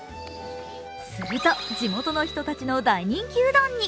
すると地元の人たちの大人気うどんに。